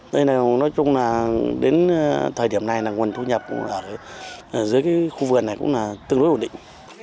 đây là nói chung là đến thời điểm này là nguồn thu nhập ở dưới cái khu vườn này cũng là tương đối ổn định